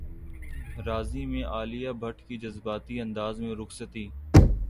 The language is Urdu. راضی میں عالیہ بھٹ کی جذباتی انداز میں رخصتی